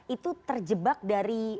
itu terjebak dari